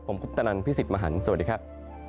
ผมคุปตนันพี่สิทธิ์มหันฯสวัสดีครับ